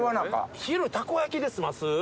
昼、たこ焼きで済ます？